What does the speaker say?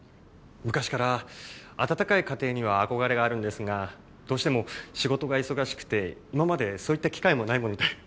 昔から温かい家庭には憧れがあるんですがどうしても仕事が忙しくて今までそういった機会もないもので。